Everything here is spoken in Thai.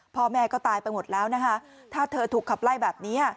พ่อแม่ก็ตายไปหมดแล้วนะคะถ้าเธอถูกขับไล่แบบนี้